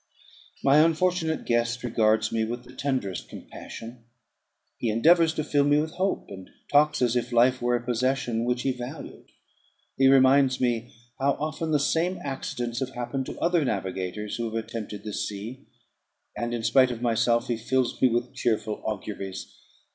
My unfortunate guest regards me with the tenderest compassion. He endeavours to fill me with hope; and talks as if life were a possession which he valued. He reminds me how often the same accidents have happened to other navigators, who have attempted this sea, and, in spite of myself, he fills me with cheerful auguries.